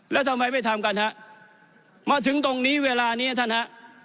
แล้วทำไมไม่ทำกันฮะมาถึงตรงนี้เวลานี้ท่านฮะ